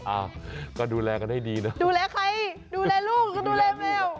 อ่าก็ดูแลกันให้ดีนะดูแลใครดูแลลูกจะดูแลแมว